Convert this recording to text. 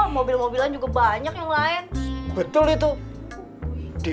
mobil mobilan juga banyak yang lain betul itu